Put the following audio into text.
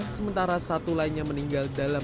sementara satu lainnya meninggal dalam